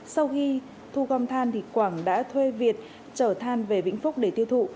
sau khi thu gom than quảng đã thuê việt trở than về vĩnh phúc để tiêu thụ